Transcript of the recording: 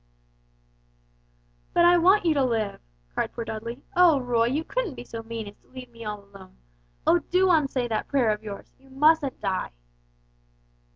"But I want you to live," cried poor Dudley; "oh! Roy you couldn't be so mean as to leave me all alone. Oh, do unsay that prayer of yours. You mustn't die!"